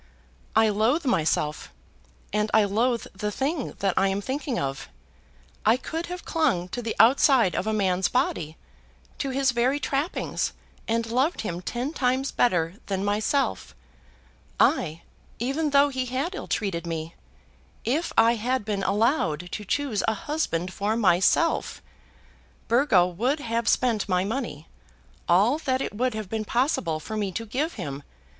I loathe myself, and I loathe the thing that I am thinking of. I could have clung to the outside of a man's body, to his very trappings, and loved him ten times better than myself! ay, even though he had ill treated me, if I had been allowed to choose a husband for myself. Burgo would have spent my money, all that it would have been possible for me to give him.